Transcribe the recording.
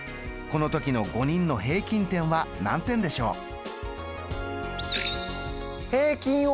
この時の５人の平均点は何点でしょう？